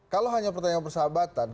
kalau hanya pertandingan persahabatan